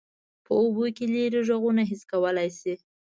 په اوبو کې لیرې غږونه حس کولی شي.